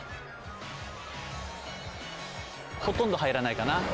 ほとんど入らないかな。